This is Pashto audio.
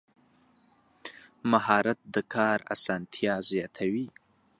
مهارت د کار اسانتیا زیاتوي.